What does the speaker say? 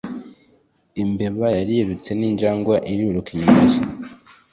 Imbeba yarirutse ninjangwe iriruka inyuma ye